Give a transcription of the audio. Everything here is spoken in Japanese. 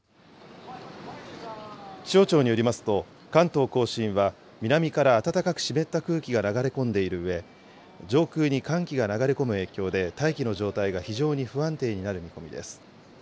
気象庁によりますと、関東甲信は南から暖かく湿った空気が流れ込んでいるうえ、上空に寒気が流れ込む影響で、大気の状態が非常に不安定になる見込みです。